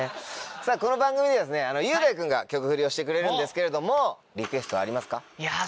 この番組では雄大君が曲フリをしてくれるんですけれどもリクエストはありますか？